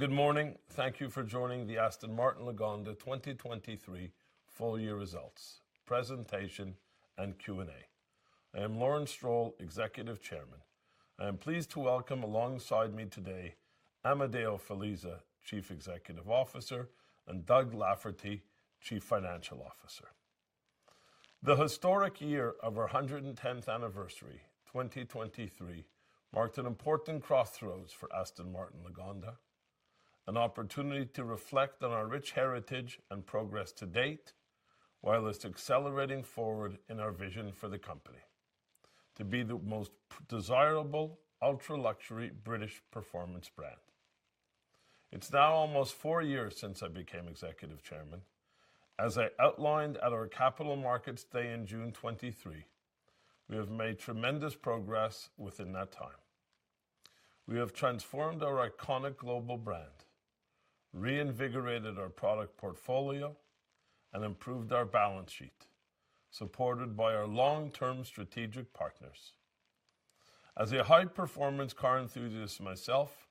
Good morning. Thank you for joining the Aston Martin Lagonda 2023 Full Year Results, Presentation, and Q&A. I am Lawrence Stroll, Executive Chairman. I am pleased to welcome alongside me today, Amedeo Felisa, Chief Executive Officer, and Doug Lafferty, Chief Financial Officer. The historic year of our 110th anniversary, 2023, marked an important crossroads for Aston Martin Lagonda, an opportunity to reflect on our rich heritage and progress to date, while accelerating forward in our vision for the company: to be the most desirable, ultra-luxury British performance brand. It's now almost 4 years since I became executive chairman. As I outlined at our Capital Markets Day in June 2023, we have made tremendous progress within that time. We have transformed our iconic global brand, reinvigorated our product portfolio, and improved our balance sheet, supported by our long-term strategic partners. As a high-performance car enthusiast myself,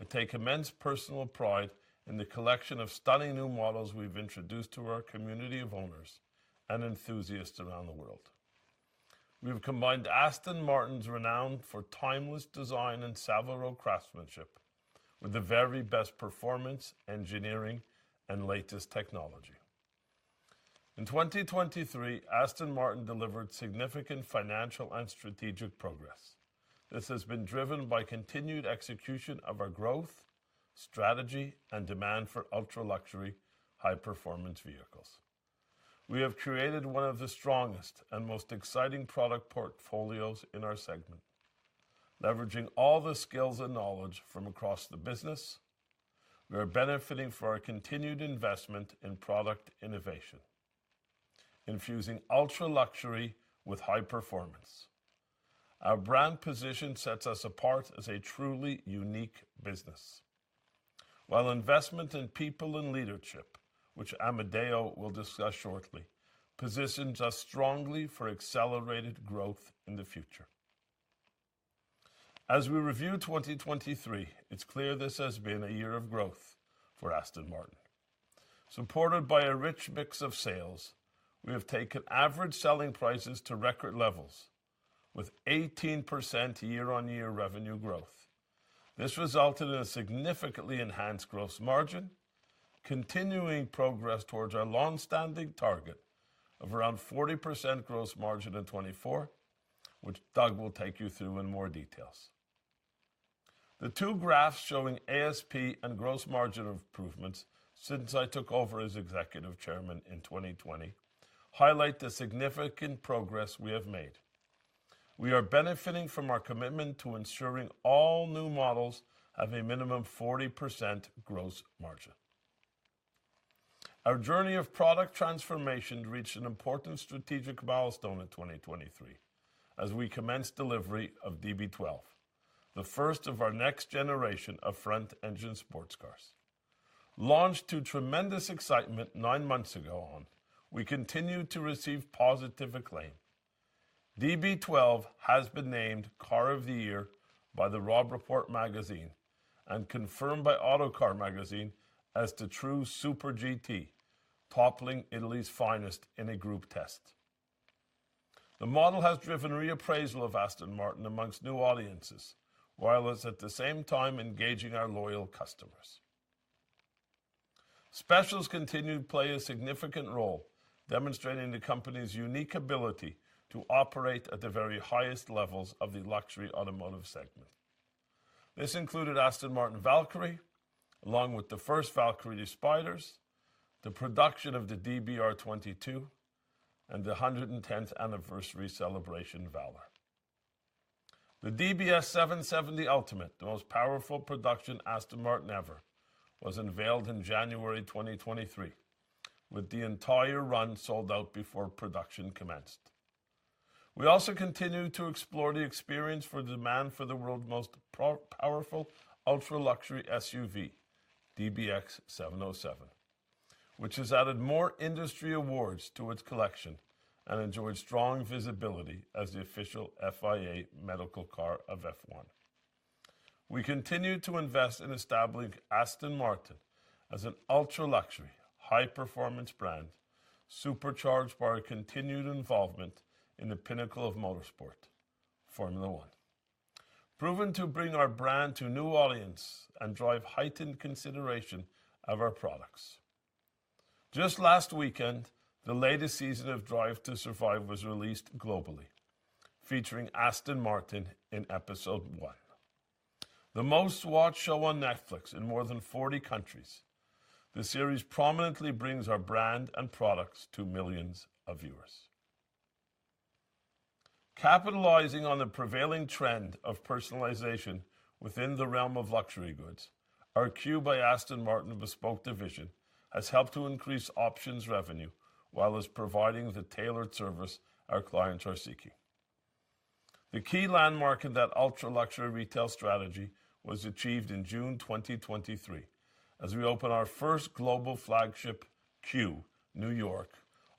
I take immense personal pride in the collection of stunning new models we've introduced to our community of owners and enthusiasts around the world. We've combined Aston Martin's renown for timeless design and Savile Row craftsmanship with the very best performance, engineering, and latest technology. In 2023, Aston Martin delivered significant financial and strategic progress. This has been driven by continued execution of our growth, strategy, and demand for ultra-luxury, high-performance vehicles. We have created one of the strongest and most exciting product portfolios in our segment. Leveraging all the skills and knowledge from across the business, we are benefiting from our continued investment in product innovation, infusing ultra-luxury with high performance. Our brand position sets us apart as a truly unique business. While investment in people and leadership, which Amedeo will discuss shortly, positions us strongly for accelerated growth in the future. As we review 2023, it's clear this has been a year of growth for Aston Martin. Supported by a rich mix of sales, we have taken average selling prices to record levels with 18% year-on-year revenue growth. This resulted in a significantly enhanced gross margin, continuing progress towards our long-standing target of around 40% gross margin in 2024, which Doug will take you through in more details. The two graphs showing ASP and gross margin improvements since I took over as Executive Chairman in 2020 highlight the significant progress we have made. We are benefiting from our commitment to ensuring all new models have a minimum 40% gross margin. Our journey of product transformation reached an important strategic milestone in 2023 as we commenced delivery of DB12, the first of our next generation of front-engine sports cars. Launched to tremendous excitement nine months ago, we continued to receive positive acclaim. DB12 has been named Car of the Year by the Robb Report magazine and confirmed by Autocar magazine as the true Super GT, toppling Italy's finest in a group test. The model has driven reappraisal of Aston Martin among new audiences, while at the same time engaging our loyal customers. Specials continued to play a significant role, demonstrating the company's unique ability to operate at the very highest levels of the luxury automotive segment. This included Aston Martin Valkyrie, along with the first Valkyrie Spiders, the production of the DBR22, and the 110th Anniversary Celebration Valour. The DBS 770 Ultimate, the most powerful production Aston Martin ever, was unveiled in January 2023, with the entire run sold out before production commenced. We also continued to explore the experience for demand for the world's most powerful, ultra-luxury SUV, DBX707, which has added more industry awards to its collection and enjoyed strong visibility as the official FIA medical car of F1. We continued to invest in establishing Aston Martin as an ultra-luxury, high-performance brand, supercharged by our continued involvement in the pinnacle of motorsport, Formula One. Proven to bring our brand to new audience and drive heightened consideration of our products. Just last weekend, the latest season of Drive to Survive was released globally, featuring Aston Martin in episode one. The most-watched show on Netflix in more than 40 countries, the series prominently brings our brand and products to millions of viewers. Capitalizing on the prevailing trend of personalization within the realm of luxury goods, our Q by Aston Martin bespoke division has helped to increase options revenue, while providing the tailored service our clients are seeking. The key landmark in that ultra-luxury retail strategy was achieved in June 2023, as we opened our first global flagship Q New York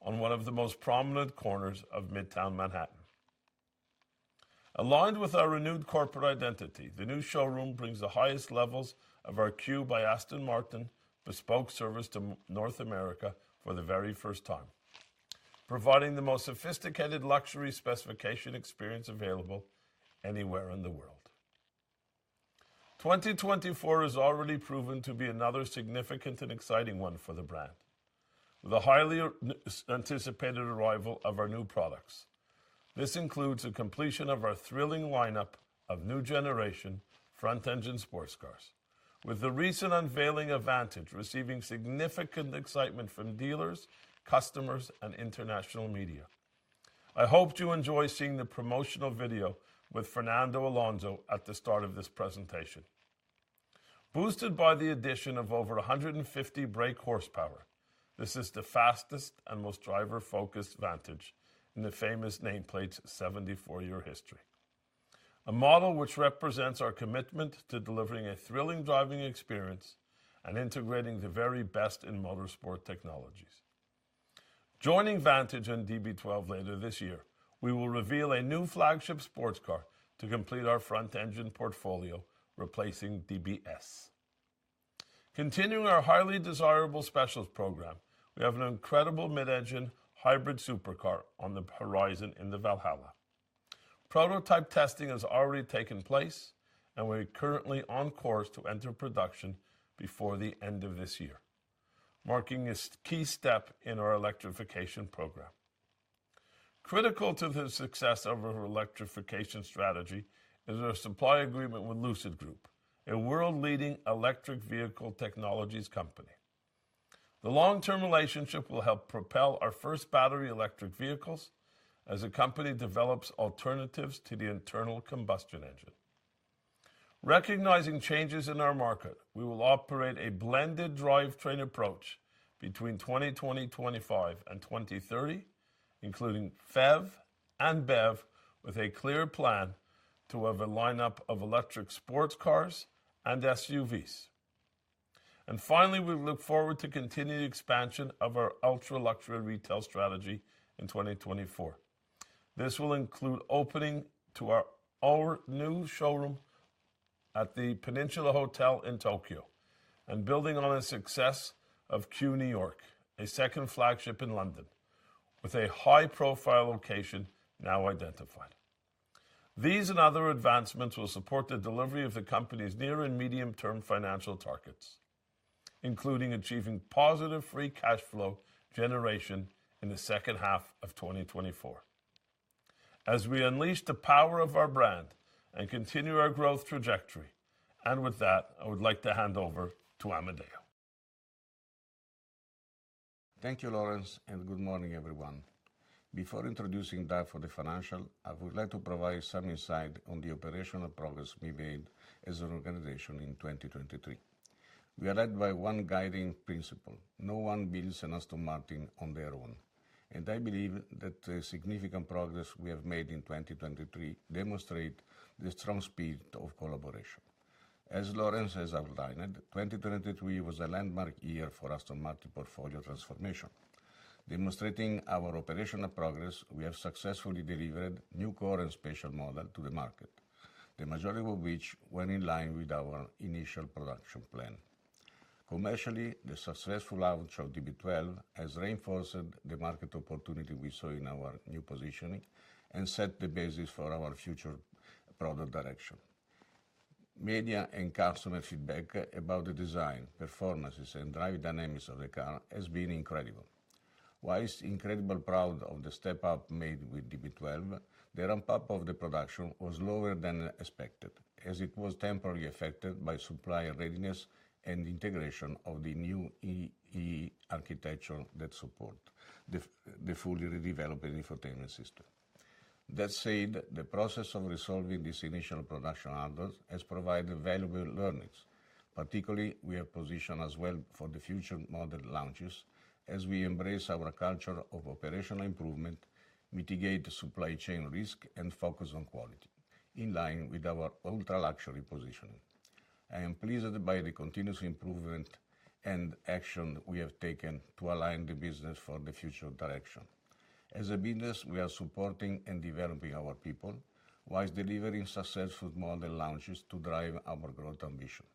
on one of the most prominent corners of Midtown Manhattan. Aligned with our renewed corporate identity, the new showroom brings the highest levels of our Q by Aston Martin bespoke service to North America for the very first time, providing the most sophisticated luxury specification experience available anywhere in the world. 2024 has already proven to be another significant and exciting one for the brand, with the highly anticipated arrival of our new products. This includes the completion of our thrilling lineup of new-generation front-engine sports cars, with the recent unveiling of Vantage receiving significant excitement from dealers, customers, and international media. I hoped you enjoy seeing the promotional video with Fernando Alonso at the start of this presentation. Boosted by the addition of over 150 brake horsepower, this is the fastest and most driver-focused Vantage in the famous nameplate's 74-year history. A model which represents our commitment to delivering a thrilling driving experience and integrating the very best in motorsport technologies. Joining Vantage and DB12 later this year, we will reveal a new flagship sports car to complete our front-engine portfolio, replacing DBS. Continuing our highly desirable specialist program, we have an incredible mid-engine hybrid supercar on the horizon in the Valhalla. Prototype testing has already taken place, and we're currently on course to enter production before the end of this year, marking this key step in our electrification program. Critical to the success of our electrification strategy is our supply agreement with Lucid Group, a world-leading electric vehicle technologies company. The long-term relationship will help propel our first battery electric vehicles as the company develops alternatives to the internal combustion engine. Recognizing changes in our market, we will operate a blended drivetrain approach between 2025 and 2030, including PHEV and BEV, with a clear plan to have a lineup of electric sports cars and SUVs. Finally, we look forward to continuing the expansion of our ultra-luxury retail strategy in 2024. This will include opening our new showroom at the Peninsula Hotel in Tokyo and building on the success of Q New York, a second flagship in London, with a high-profile location now identified. These and other advancements will support the delivery of the company's near and medium-term financial targets, including achieving positive free cash flow generation in the second half of 2024 as we unleash the power of our brand and continue our growth trajectory. With that, I would like to hand over to Amedeo. Thank you, Lawrence, and good morning, everyone. Before introducing data for the financial, I would like to provide some insight on the operational progress we made as an organization in 2023. We are led by one guiding principle: no one builds an Aston Martin on their own. I believe that the significant progress we have made in 2023 demonstrate the strong spirit of collaboration. As Lawrence has outlined, 2023 was a landmark year for Aston Martin portfolio transformation. Demonstrating our operational progress, we have successfully delivered new core and special model to the market, the majority of which were in line with our initial production plan. Commercially, the successful launch of DB12 has reinforced the market opportunity we saw in our new positioning and set the basis for our future product direction. Media and customer feedback about the design, performances, and drive dynamics of the car has been incredible. While incredibly proud of the step up made with DB12, the ramp-up of the production was lower than expected, as it was temporarily affected by supply readiness and integration of the new EE Architecture that support the fully redeveloped infotainment system. That said, the process of resolving these initial production hurdles has provided valuable learnings. Particularly, we are positioned as well for the future model launches as we embrace our culture of operational improvement, mitigate the supply chain risk, and focus on quality in line with our ultra-luxury positioning. I am pleased by the continuous improvement and action we have taken to align the business for the future direction. As a business, we are supporting and developing our people while delivering successful model launches to drive our growth ambition.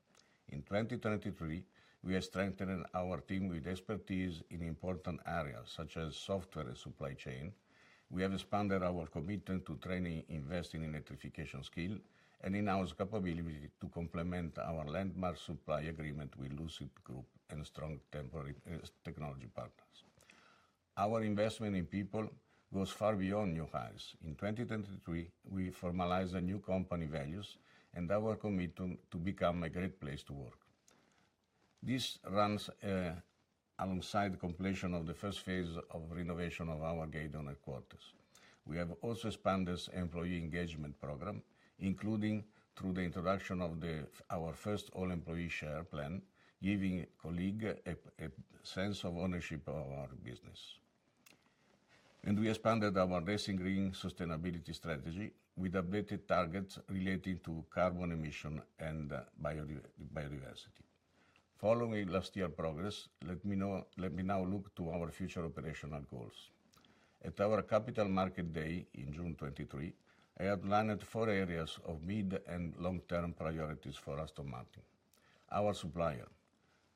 In 2023, we are strengthening our team with expertise in important areas such as software and supply chain. We have expanded our commitment to training, investing in electrification skill, and enhanced capability to complement our landmark supply agreement with Lucid Group and strong temporary technology partners. Our investment in people goes far beyond new hires. In 2023, we formalized the new company values and our commitment to become a great place to work. This runs alongside the completion of the first phase of renovation of our Gaydon headquarters. We have also expanded employee engagement program, including through the introduction of our first all-employee share plan, giving colleague a sense of ownership of our business. And we expanded our Racing Green sustainability strategy with updated targets related to carbon emission and biodiversity. Following last year's progress, let me now look to our future operational goals. At our Capital Markets Day in June 2023, I outlined four areas of mid- and long-term priorities for Aston Martin. Our supplier,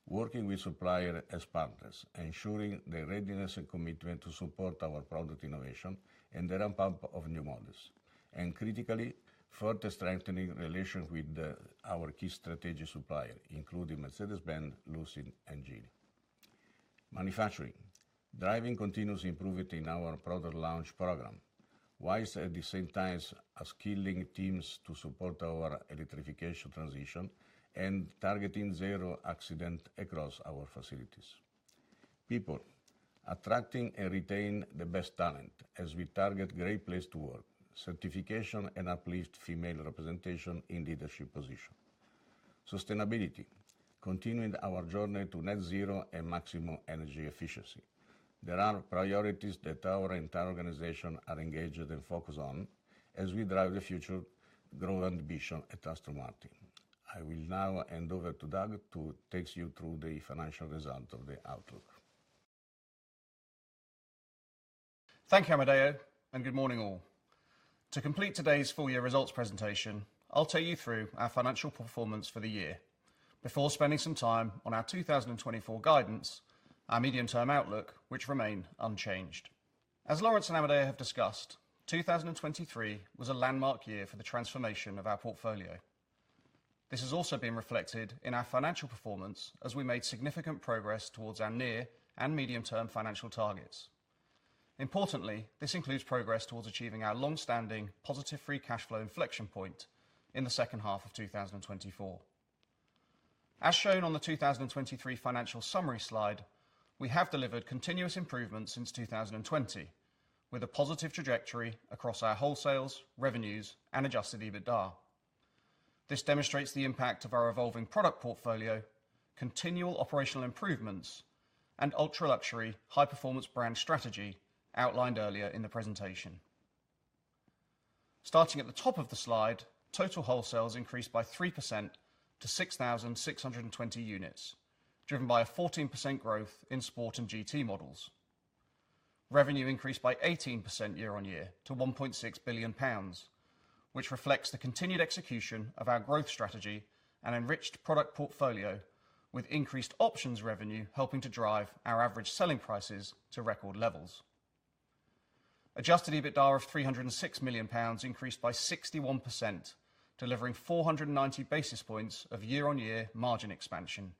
working with supplier as partners, ensuring their readiness and commitment to support our product innovation and the ramp-up of new models, and critically, further strengthening relations with our key strategic supplier, including Mercedes-Benz, Lucid, and Geely. Manufacturing: driving continuous improvement in our product launch program, while at the same time, upskilling teams to support our electrification transition and targeting zero accident across our facilities. People: attracting and retain the best talent as we target Great Place to Work certification and uplift female representation in leadership position. Sustainability: continuing our journey to net zero and maximum energy efficiency. There are priorities that our entire organization are engaged and focused on as we drive the future growth ambition at Aston Martin. I will now hand over to Doug to take you through the financial results of the outlook. Thank you, Amedeo, and good morning, all. To complete today's full-year results presentation, I'll take you through our financial performance for the year before spending some time on our 2024 guidance, our medium-term outlook, which remain unchanged. As Lawrence and Amedeo have discussed, 2023 was a landmark year for the transformation of our portfolio. This has also been reflected in our financial performance as we made significant progress towards our near- and medium-term financial targets. Importantly, this includes progress towards achieving our long-standing positive free cash flow inflection point in the second half of 2024. As shown on the 2023 financial summary slide, we have delivered continuous improvement since 2020, with a positive trajectory across our wholesales, revenues, and adjusted EBITDA. This demonstrates the impact of our evolving product portfolio, continual operational improvements, and ultra-luxury, high-performance brand strategy outlined earlier in the presentation. Starting at the top of the slide, total wholesales increased by 3% to 6,620 units, driven by a 14% growth in Sport and GT models. Revenue increased by 18% year-on-year to 1.6 billion pounds, which reflects the continued execution of our growth strategy and enriched product portfolio, with increased options revenue helping to drive our average selling prices to record levels. Adjusted EBITDA of 306 million pounds increased by 61%, delivering 490 basis points of year-on-year margin expansion,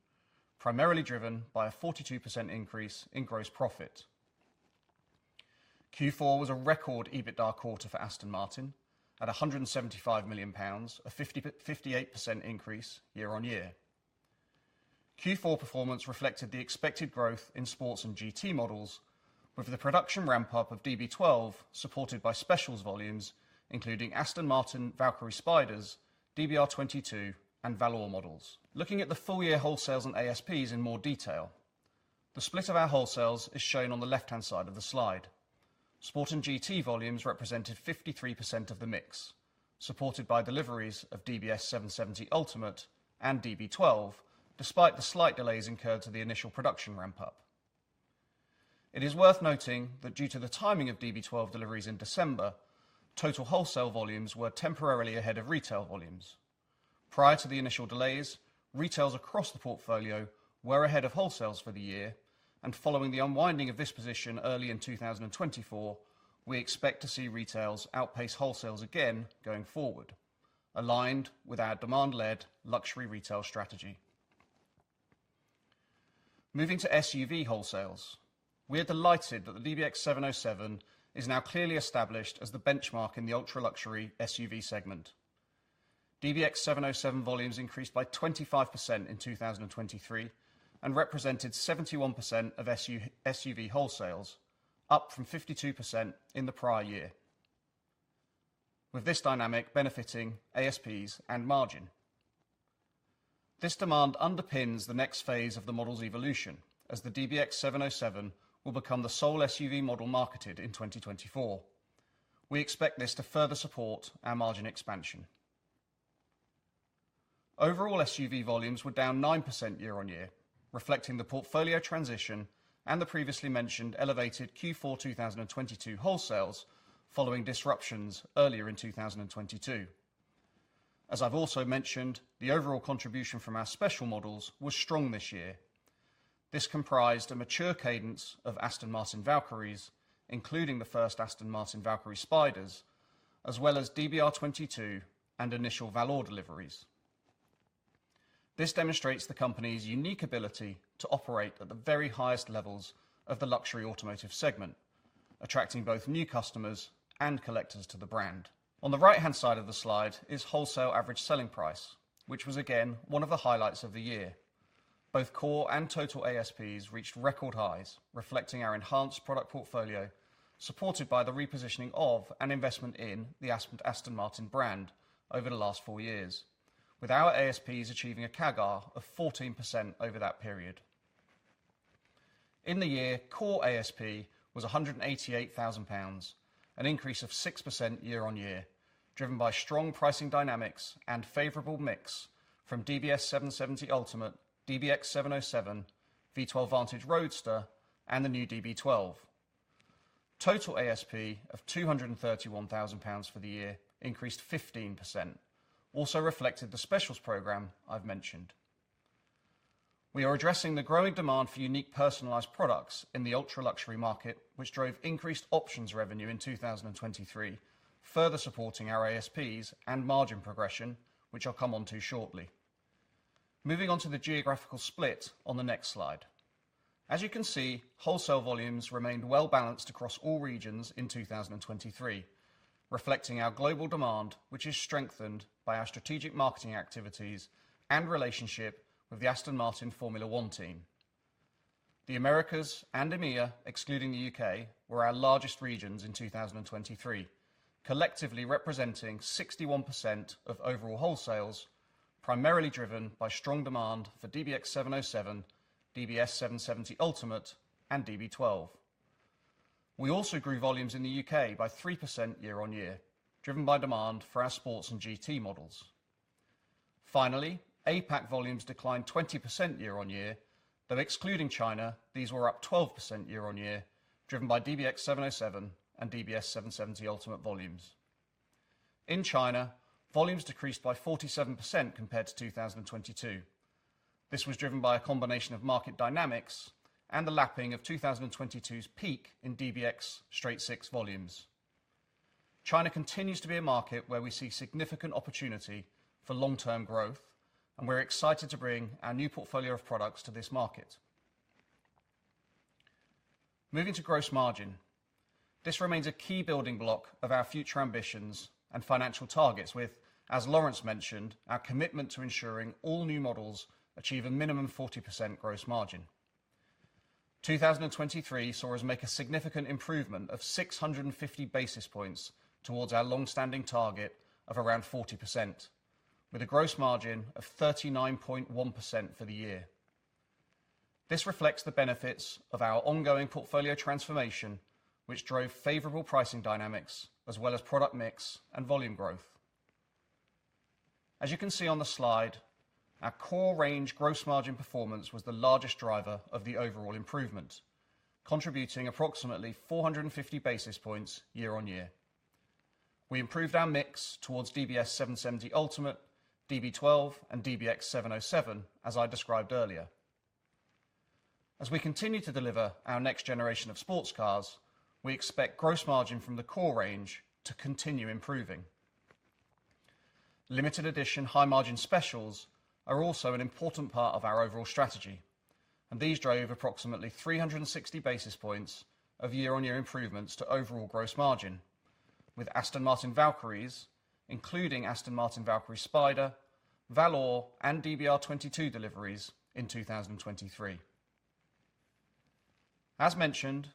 primarily driven by a 42% increase in gross profit. Q4 was a record EBITDA quarter for Aston Martin at 175 million pounds, a 58% increase year-on-year. Q4 performance reflected the expected growth in Sports and GT models, with the production ramp-up of DB12 supported by specials volumes, including Aston Martin Valkyrie Spiders, DBR22, and Valour models. Looking at the full-year wholesales and ASPs in more detail, the split of our wholesales is shown on the left-hand side of the slide. Sport and GT volumes represented 53% of the mix, supported by deliveries of DBS 770 Ultimate and DB12, despite the slight delays incurred to the initial production ramp-up. It is worth noting that due to the timing of DB12 deliveries in December, total wholesale volumes were temporarily ahead of retail volumes. Prior to the initial delays, retails across the portfolio were ahead of wholesales for the year, and following the unwinding of this position early in 2024, we expect to see retails outpace wholesales again going forward, aligned with our demand-led luxury retail strategy. Moving to SUV wholesales, we are delighted that the DBX707 is now clearly established as the benchmark in the ultra-luxury SUV segment. DBX707 volumes increased by 25% in 2023 and represented 71% of SUV wholesales, up from 52% in the prior year, with this dynamic benefiting ASPs and margin. This demand underpins the next phase of the model's evolution, as the DBX707 will become the sole SUV model marketed in 2024. We expect this to further support our margin expansion. Overall, SUV volumes were down 9% year-on-year, reflecting the portfolio transition and the previously mentioned elevated Q4 2022 wholesales following disruptions earlier in 2022. As I've also mentioned, the overall contribution from our special models was strong this year. This comprised a mature cadence of Aston Martin Valkyries, including the first Aston Martin Valkyrie Spiders, as well as DBR22 and initial Valour deliveries. This demonstrates the company's unique ability to operate at the very highest levels of the luxury automotive segment, attracting both new customers and collectors to the brand. On the right-hand side of the slide is wholesale average selling price, which was again, one of the highlights of the year. Both core and total ASPs reached record highs, reflecting our enhanced product portfolio, supported by the repositioning of and investment in the Aston Martin brand over the last 4 years, with our ASPs achieving a CAGR of 14% over that period. In the year, core ASP was 188,000 pounds, an increase of 6% year-on-year, driven by strong pricing dynamics and favorable mix from DBS 770 Ultimate, DBX707, V12 Vantage Roadster, and the new DB12. Total ASP of 231,000 pounds for the year increased 15%, also reflected the specials program I've mentioned. We are addressing the growing demand for unique personalized products in the ultra-luxury market, which drove increased options revenue in 2023, further supporting our ASPs and margin progression, which I'll come on to shortly. Moving on to the geographical split on the next slide. As you can see, wholesale volumes remained well-balanced across all regions in 2023, reflecting our global demand, which is strengthened by our strategic marketing activities and relationship with the Aston Martin Formula One team. The Americas and EMEA, excluding the UK, were our largest regions in 2023, collectively representing 61% of overall wholesales, primarily driven by strong demand for DBX707, DBS 770 Ultimate, and DB12. We also grew volumes in the UK by 3% year-on-year, driven by demand for our sports and GT models. Finally, APAC volumes declined 20% year-on-year, but excluding China, these were up 12% year-on-year, driven by DBX707 and DBS 770 Ultimate volumes. In China, volumes decreased by 47% compared to 2022. This was driven by a combination of market dynamics and the lapping of 2022's peak in DBX Straight-Six volumes. China continues to be a market where we see significant opportunity for long-term growth, and we're excited to bring our new portfolio of products to this market. Moving to gross margin. This remains a key building block of our future ambitions and financial targets with, as Lawrence mentioned, our commitment to ensuring all new models achieve a minimum 40% gross margin. 2023 saw us make a significant improvement of 650 basis points towards our long-standing target of around 40%, with a gross margin of 39.1% for the year. This reflects the benefits of our ongoing portfolio transformation, which drove favorable pricing dynamics as well as product mix and volume growth. As you can see on the slide, our core range gross margin performance was the largest driver of the overall improvement, contributing approximately 450 basis points year-on-year. We improved our mix towards DBS 770 Ultimate, DB12, and DBX707, as I described earlier. As we continue to deliver our next generation of sports cars, we expect gross margin from the core range to continue improving. Limited edition, high-margin specials are also an important part of our overall strategy, and these drove approximately 360 basis points of year-on-year improvements to overall gross margin with Aston Martin Valkyrie, including Aston Martin Valkyrie Spider, Valour, and DBR22 deliveries in 2023. As mentioned,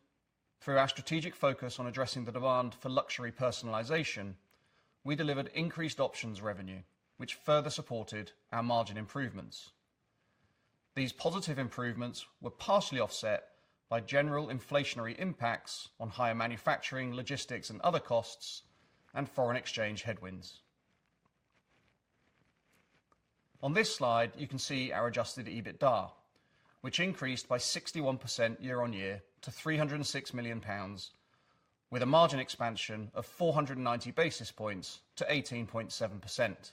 through our strategic focus on addressing the demand for luxury personalization, we delivered increased options revenue, which further supported our margin improvements. These positive improvements were partially offset by general inflationary impacts on higher manufacturing, logistics, and other costs, and foreign exchange headwinds. On this slide, you can see our adjusted EBITDA, which increased by 61% year-on-year to 306 million pounds, with a margin expansion of 490 basis points to 18.7%.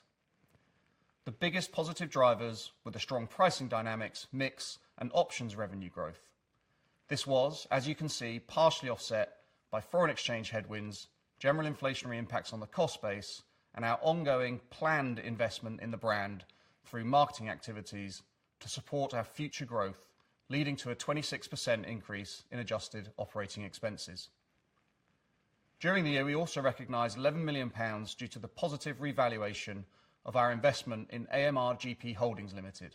The biggest positive drivers were the strong pricing dynamics, mix, and options revenue growth. This was, as you can see, partially offset by foreign exchange headwinds, general inflationary impacts on the cost base, and our ongoing planned investment in the brand through marketing activities to support our future growth, leading to a 26% increase in adjusted operating expenses. During the year, we also recognized 11 million pounds due to the positive revaluation of our investment in AMR GP Holdings Limited.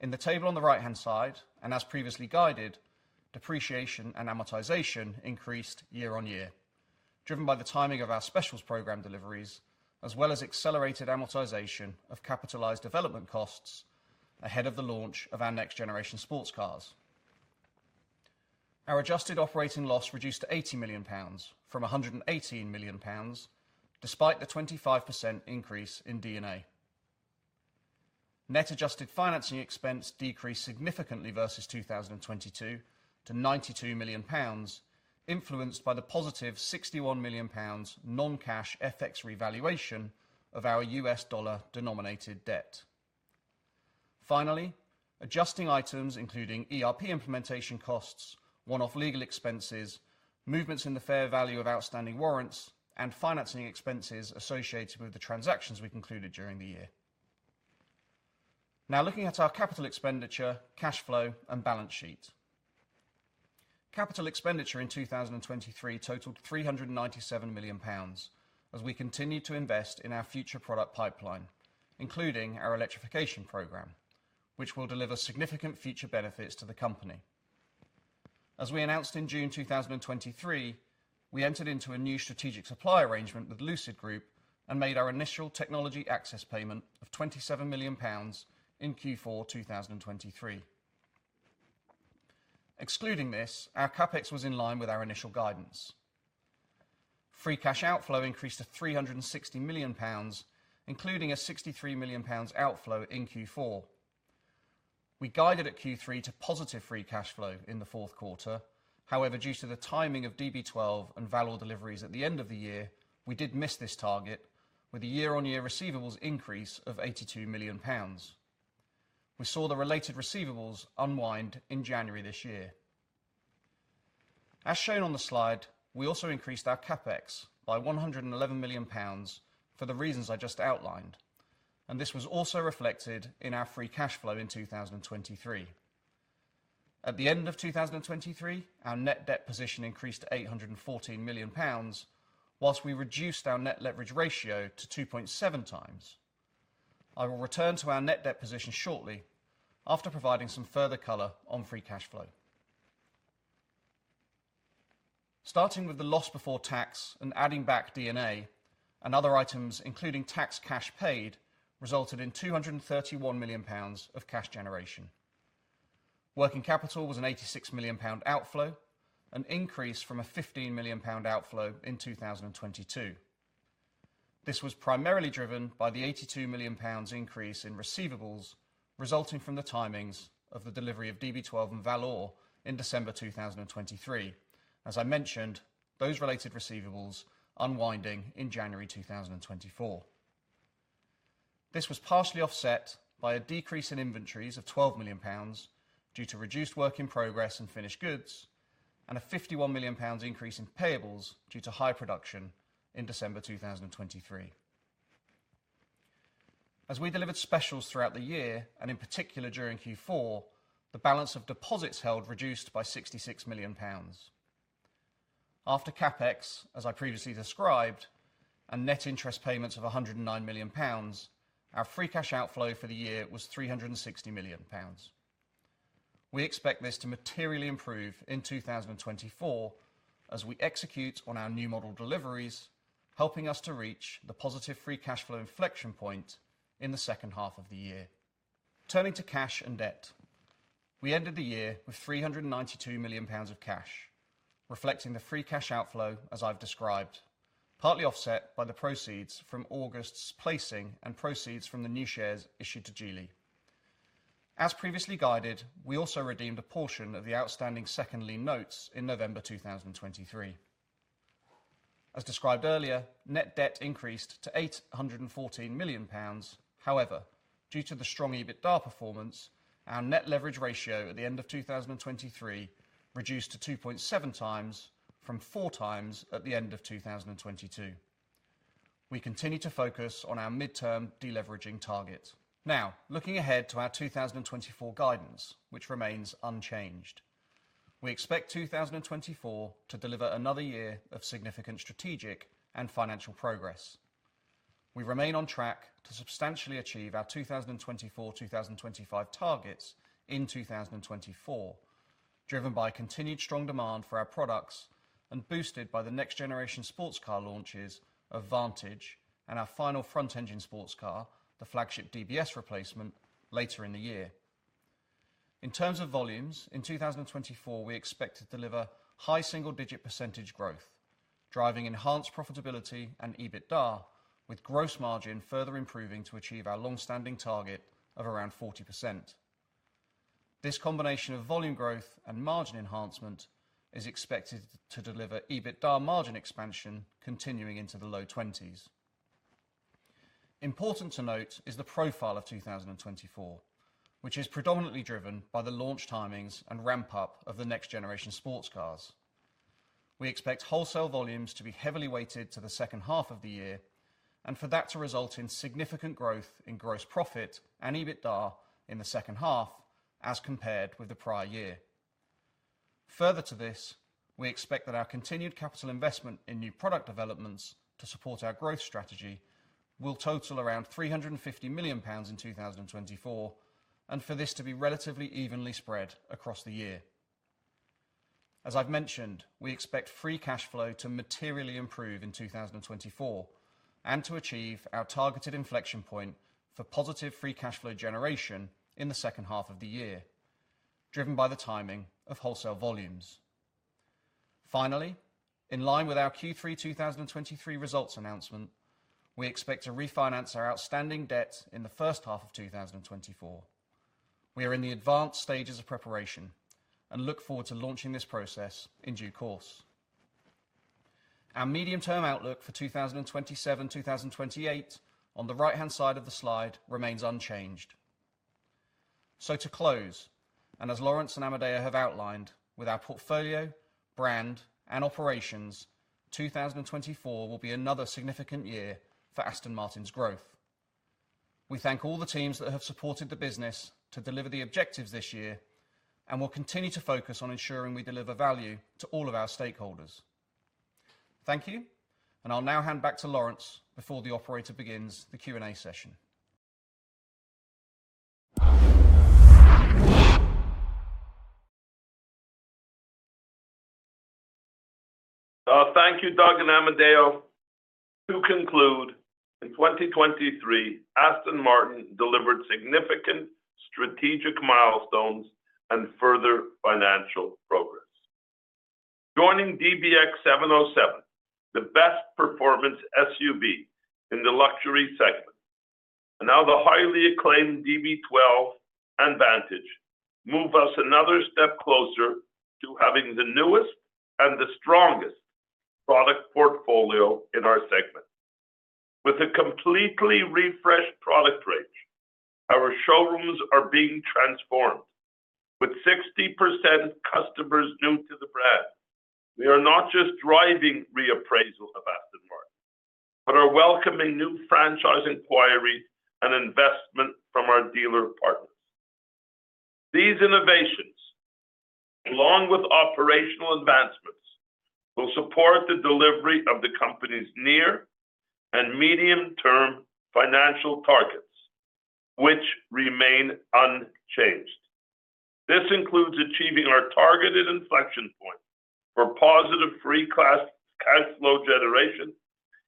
In the table on the right-hand side, and as previously guided, depreciation and amortization increased year-on-year, driven by the timing of our specials program deliveries, as well as accelerated amortization of capitalized development costs ahead of the launch of our next-generation sports cars. Our adjusted operating loss reduced to 80 million pounds from 118 million pounds, despite the 25% increase in D&A. Net adjusted financing expense decreased significantly versus 2022 to 92 million pounds, influenced by the positive 61 million pounds non-cash FX revaluation of our U.S. dollar-denominated debt. Finally, adjusting items including ERP implementation costs, one-off legal expenses, movements in the fair value of outstanding warrants, and financing expenses associated with the transactions we concluded during the year. Now, looking at our capital expenditure, cash flow, and balance sheet. Capital expenditure in 2023 totaled 397 million pounds as we continued to invest in our future product pipeline, including our electrification program, which will deliver significant future benefits to the company. As we announced in June 2023, we entered into a new strategic supply arrangement with Lucid Group and made our initial technology access payment of 27 million pounds in Q4 2023. Excluding this, our CapEx was in line with our initial guidance. Free cash outflow increased to 360 million pounds, including a 63 million pounds outflow in Q4. We guided at Q3 to positive free cash flow in the fourth quarter. However, due to the timing of DB12 and Valour deliveries at the end of the year, we did miss this target, with a year-on-year receivables increase of 82 million pounds. We saw the related receivables unwind in January this year. As shown on the slide, we also increased our CapEx by 111 million pounds for the reasons I just outlined, and this was also reflected in our free cash flow in 2023. At the end of 2023, our net debt position increased to 814 million pounds, whilst we reduced our net leverage ratio to 2.7x. I will return to our net debt position shortly after providing some further color on free cash flow. Starting with the loss before tax and adding back D&A and other items, including tax cash paid, resulted in 231 million pounds of cash generation. Working capital was a 86 million pound outflow, an increase from a 15 million pound outflow in 2022. This was primarily driven by the 82 million pounds increase in receivables, resulting from the timings of the delivery of DB12 and Valour in December 2023. As I mentioned, those related receivables unwinding in January 2024. This was partially offset by a decrease in inventories of 12 million pounds due to reduced work in progress and finished goods, and a 51 million pounds increase in payables due to high production in December 2023. As we delivered specials throughout the year, and in particular during Q4, the balance of deposits held reduced by 66 million pounds. After CapEx, as I previously described, and net interest payments of 109 million pounds, our free cash outflow for the year was 360 million pounds. We expect this to materially improve in 2024 as we execute on our new model deliveries, helping us to reach the positive free cash flow inflection point in the second half of the year. Turning to cash and debt. We ended the year with 392 million pounds of cash, reflecting the free cash outflow, as I've described, partly offset by the proceeds from August's placing and proceeds from the new shares issued to Geely. As previously guided, we also redeemed a portion of the outstanding second lien notes in November 2023. As described earlier, net debt increased to 814 million pounds. However, due to the strong EBITDA performance, our net leverage ratio at the end of 2023 reduced to 2.7x from 4x at the end of 2022. We continue to focus on our midterm deleveraging target. Now, looking ahead to our 2024 guidance, which remains unchanged. We expect 2024 to deliver another year of significant strategic and financial progress. We remain on track to substantially achieve our 2024, 2025 targets in 2024, driven by continued strong demand for our products and boosted by the next-generation sports car launches of Vantage and our final front-engine sports car, the flagship DBS replacement, later in the year. In terms of volumes, in 2024, we expect to deliver high single-digit percentage growth, driving enhanced profitability and EBITDA, with gross margin further improving to achieve our long-standing target of around 40%. This combination of volume growth and margin enhancement is expected to deliver EBITDA margin expansion continuing into the low 20s. Important to note is the profile of 2024, which is predominantly driven by the launch timings and ramp-up of the next-generation sports cars. We expect wholesale volumes to be heavily weighted to the second half of the year and for that to result in significant growth in gross profit and EBITDA in the second half as compared with the prior year. Further to this, we expect that our continued capital investment in new product developments to support our growth strategy will total around 350 million pounds in 2024, and for this to be relatively evenly spread across the year. As I've mentioned, we expect free cash flow to materially improve in 2024 and to achieve our targeted inflection point for positive free cash flow generation in the second half of the year, driven by the timing of wholesale volumes. Finally, in line with our Q3 2023 results announcement, we expect to refinance our outstanding debt in the first half of 2024. We are in the advanced stages of preparation and look forward to launching this process in due course. Our medium-term outlook for 2027, 2028, on the right-hand side of the slide, remains unchanged. So to close, and as Lawrence and Amedeo have outlined, with our portfolio, brand, and operations, 2024 will be another significant year for Aston Martin's growth. We thank all the teams that have supported the business to deliver the objectives this year, and we'll continue to focus on ensuring we deliver value to all of our stakeholders. Thank you, and I'll now hand back to Lawrence before the operator begins the Q&A session. Thank you, Doug and Amedeo. To conclude, in 2023, Aston Martin delivered significant strategic milestones and further financial progress. Joining DBX707, the best performance SUV in the luxury segment, and now the highly acclaimed DB12 and Vantage move us another step closer to having the newest and the strongest product portfolio in our segment. With a completely refreshed product range, our showrooms are being transformed. With 60% customers new to the brand, we are not just driving reappraisal of Aston Martin, but are welcoming new franchise inquiries and investment from our dealer partners. These innovations, along with operational advancements, will support the delivery of the company's near and medium-term financial targets, which remain unchanged. This includes achieving our targeted inflection point for positive free cash flow generation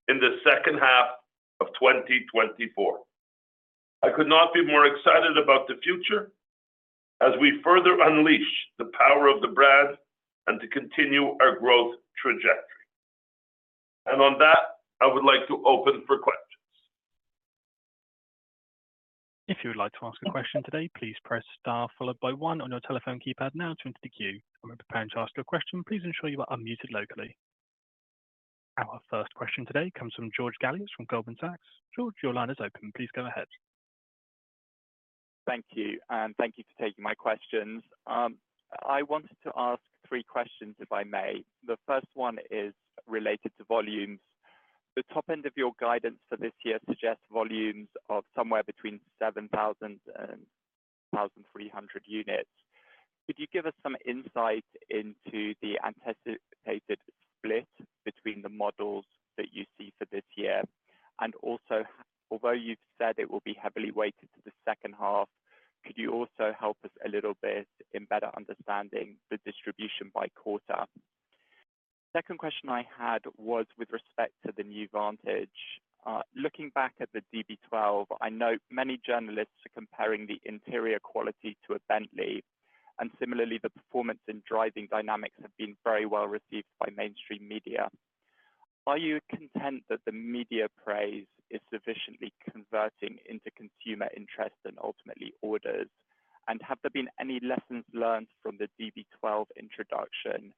in the second half of 2024. I could not be more excited about the future as we further unleash the power of the brand and to continue our growth trajectory. On that, I would like to open for questions. If you would like to ask a question today, please press star followed by one on your telephone keypad now to enter the queue. When preparing to ask your question, please ensure you are unmuted locally. Our first question today comes from George Galliers from Goldman Sachs. George, your line is open. Please go ahead. Thank you, and thank you for taking my questions. I wanted to ask three questions, if I may. The first one is related to volumes. The top end of your guidance for this year suggests volumes of somewhere between 7,000 and 7,300 units. Could you give us some insight into the anticipated split between the models that you see for this year? And also, although you've said it will be heavily weighted to the second half, could you also help us a little bit in better understanding the distribution by quarter? Second question I had was with respect to the new Vantage. Looking back at the DB12, I know many journalists are comparing the interior quality to a Bentley, and similarly, the performance and driving dynamics have been very well received by mainstream media. Are you content that the media praise is sufficiently converting into consumer interest and ultimately orders? And have there been any lessons learned from the DB12 introduction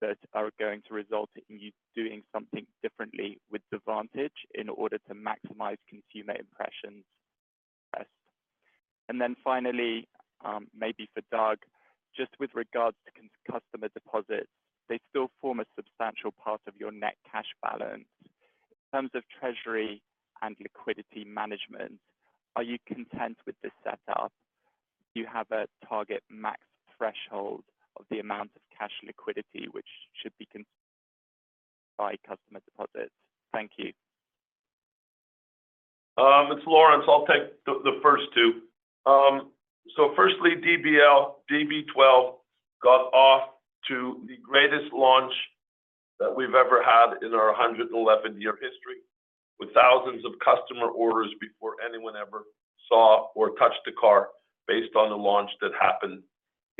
that are going to result in you doing something differently with the Vantage in order to maximize consumer impressions first? And then finally, maybe for Doug, just with regards to customer deposits, they still form a substantial part of your net cash balance. In terms of treasury and liquidity management, are you content with this setup? Do you have a target max threshold of the amount of cash liquidity, which should be by customer deposits? Thank you. It's Lawrence. I'll take the first two. So firstly, DB12 got off to the greatest launch that we've ever had in our 111-year history, with thousands of customer orders before anyone ever saw or touched a car, based on the launch that happened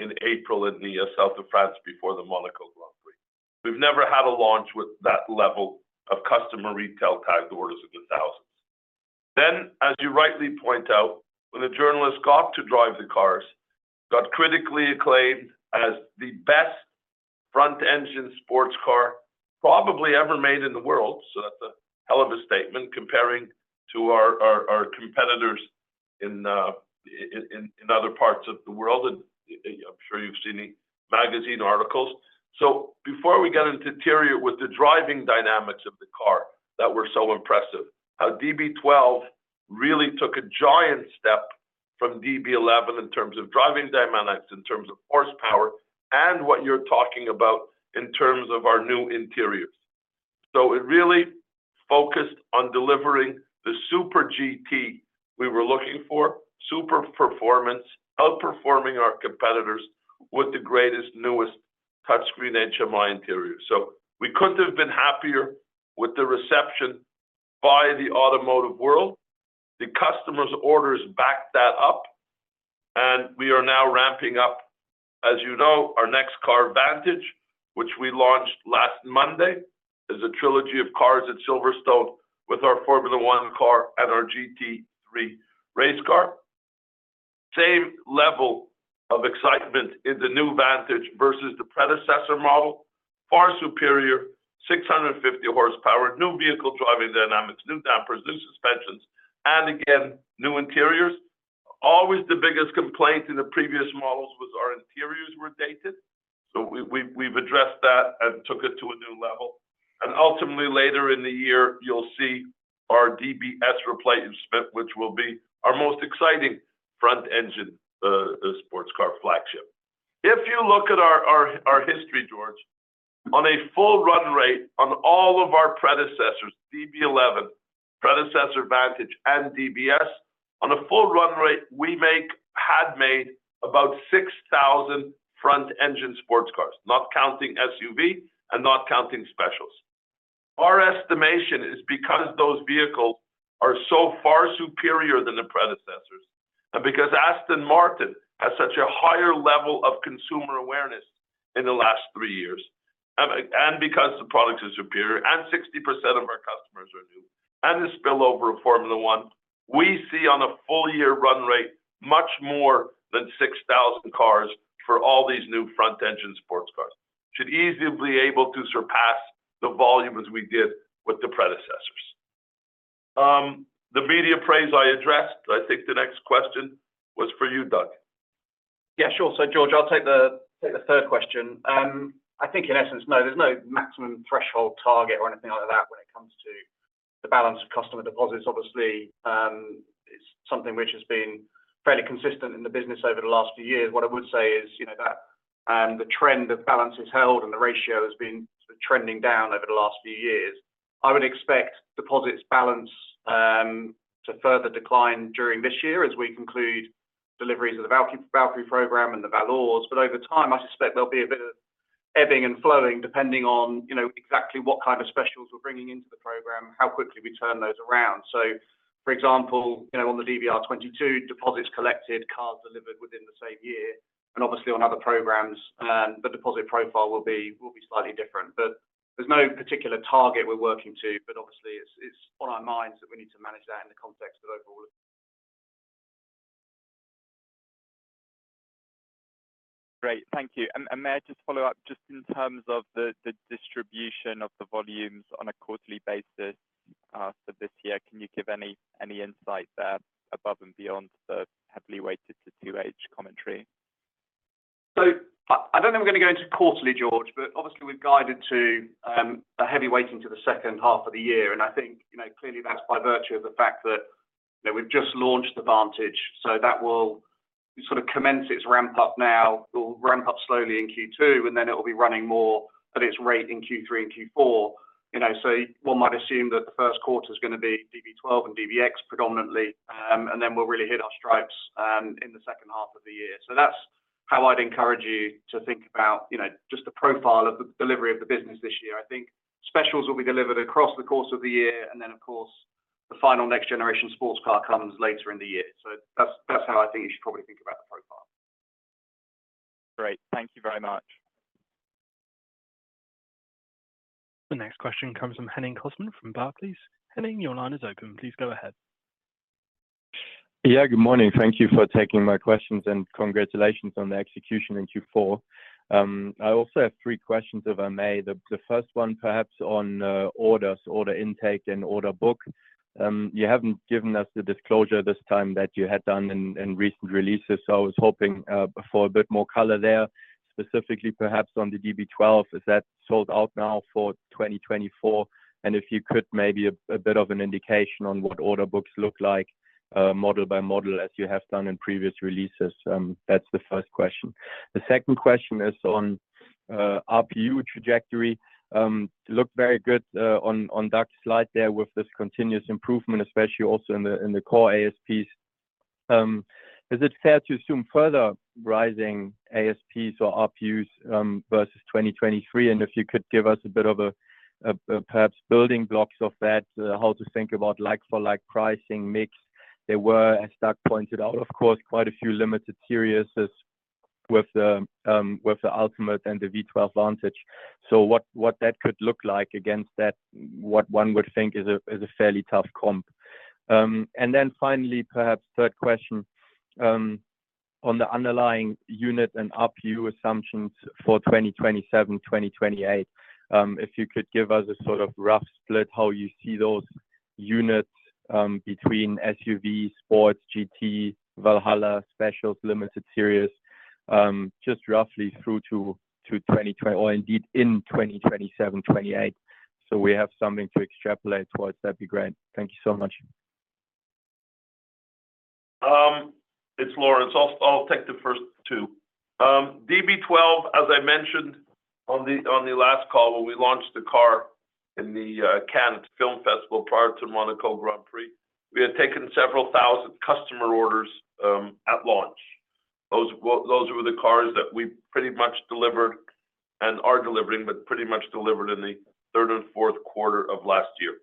in April, in the south of France, before the Monaco Grand Prix. We've never had a launch with that level of customer retail tied to orders in the thousands. Then, as you rightly point out, when the journalists got to drive the cars, got critically acclaimed as the best front-engine sports car probably ever made in the world. So that's a hell of a statement comparing to our competitors in other parts of the world, and I'm sure you've seen the magazine articles. So before we get into the interior, with the driving dynamics of the car that were so impressive, our DB12 really took a giant step from DB11 in terms of driving dynamics, in terms of horsepower, and what you're talking about in terms of our new interiors. So it really focused on delivering the super GT we were looking for, super performance, outperforming our competitors with the greatest, newest touchscreen HMI interior. So we couldn't have been happier with the reception by the automotive world. The customers' orders backed that up, and we are now ramping up. As you know, our next car, Vantage, which we launched last Monday, is a trilogy of cars at Silverstone with our Formula One car and our GT3 race car. Same level of excitement in the new Vantage versus the predecessor model. Far superior, 650 horsepower, new vehicle driving dynamics, new dampers, new suspensions, and again, new interiors. Always the biggest complaint in the previous models was our interiors were dated, so we've addressed that and took it to a new level. Ultimately, later in the year, you'll see our DBS replacement, which will be our most exciting front-engine sports car flagship. If you look at our history, George, on a full run rate on all of our predecessors, DB11, predecessor Vantage, and DBS, on a first full run rate, we had made about 6,000 front-engine sports cars, not counting SUV and not counting specials. Our estimation is because those vehicles are so far superior than the predecessors, and because Aston Martin has such a higher level of consumer awareness in the last three years, and, and because the products are superior and 60% of our customers are new, and the spillover of Formula One, we see on a full year run rate, much more than 6,000 cars for all these new front-engine sports cars. Should easily be able to surpass the volumes we did with the predecessors. The media praise I addressed. I think the next question was for you, Doug. Yeah, sure. So, George, I'll take the third question. I think in essence, no, there's no maximum threshold target or anything like that when it comes to the balance of customer deposits. Obviously, it's something which has been fairly consistent in the business over the last few years. What I would say is, you know, that the trend of balance is held, and the ratio has been trending down over the last few years. I would expect deposits balance to further decline during this year as we conclude deliveries of the Valkyrie program and the Valours. But over time, I suspect there'll be a bit of ebbing and flowing, depending on, you know, exactly what kind of specials we're bringing into the program, how quickly we turn those around. So, for example, you know, on the DBR22, deposits collected, cars delivered within the same year, and obviously on other programs, the deposit profile will be, will be slightly different. But there's no particular target we're working to, but obviously, it's, it's on our minds that we need to manage that in the context of overall. Great, thank you. And may I just follow up, just in terms of the distribution of the volumes on a quarterly basis, so this year, can you give any insight there above and beyond the heavily weighted to 2H commentary? So I don't think we're going to go into quarterly, George, but obviously, we've guided to a heavy weighting to the second half of the year. And I think, you know, clearly that's by virtue of the fact that, you know, we've just launched the Vantage, so that will sort of commence its ramp up now, will ramp up slowly in Q2, and then it will be running more at its rate in Q3 and Q4. You know, so one might assume that the first quarter is gonna be DB12 and DBX predominantly, and then we'll really hit our stripes in the second half of the year. So that's how I'd encourage you to think about, you know, just the profile of the delivery of the business this year. I think specials will be delivered across the course of the year, and then, of course, the final next generation sports car comes later in the year. That's, that's how I think you should probably think about the profile. Great. Thank you very much. The next question comes from Henning Cosman from Barclays. Henning, your line is open. Please go ahead. Yeah, good morning. Thank you for taking my questions, and congratulations on the execution in Q4. I also have three questions, if I may. The first one, perhaps on orders, order intake and order book. You haven't given us the disclosure this time that you had done in recent releases, so I was hoping for a bit more color there, specifically perhaps on the DB12. Is that sold out now for 2024? And if you could, maybe a bit of an indication on what order books look like, model by model, as you have done in previous releases. That's the first question. The second question is on RPU trajectory. It looked very good on that slide there with this continuous improvement, especially also in the core ASPs. Is it fair to assume further rising ASPs or RPUs versus 2023? And if you could give us a bit of a perhaps building blocks of that, how to think about like-for-like pricing mix. There were, as Doug pointed out, of course, quite a few limited series with the Ultimate and the V12 Vantage. So what that could look like against that, what one would think is a fairly tough comp. And then finally, perhaps third question, on the underlying unit and RPU assumptions for 2027, 2028, if you could give us a sort of rough split, how you see those units between SUV, sports, GT, Valhalla, specials, limited series, just roughly through to twenty-- or indeed in 2027, 2028, so we have something to extrapolate towards, that'd be great. Thank you so much. It's Lawrence. I'll take the first two. DB12, as I mentioned on the last call when we launched the car in the Cannes Film Festival, prior to Monaco Grand Prix, we had taken several thousand customer orders at launch. Those were the cars that we pretty much delivered and are delivering, but pretty much delivered in the third and fourth quarter of last year.